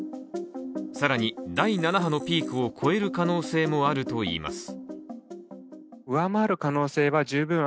更に第７波のピークを超える可能性もあると言います。